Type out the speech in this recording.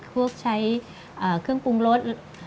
ก็คือพวกใช้เครื่องปรุงรส